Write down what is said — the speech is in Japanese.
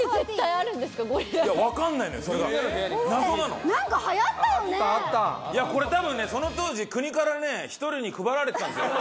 いやこれ多分ねその当時国からね１人に配られてたんですよ。